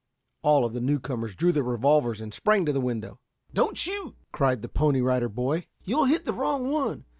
All of the newcomers drew their revolvers and sprang to the window. "Don't shoot!" cried the Pony Rider Boy; "You'll hit the wrong one.